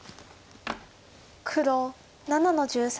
黒７の十三。